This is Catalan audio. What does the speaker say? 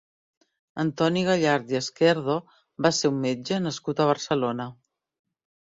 Antoni Gallart i Esquerdo va ser un metge nascut a Barcelona.